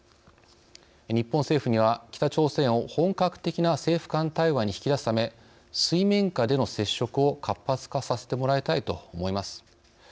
日本政府には、北朝鮮を本格的な政府間対話に引き出すため水面下での接触を活発化させてもらいたいと思います。